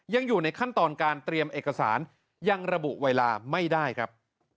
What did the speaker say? ยังอยู่ในขั้นตอนการเตรียมเอกสารยังระบุเวลาไม่ได้ครับ